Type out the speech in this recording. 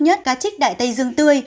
nhất cá chích đại tây dương tươi